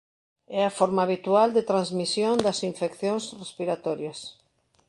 É a forma habitual de transmisión das infeccións respiratorias.